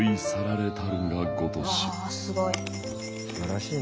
すごい。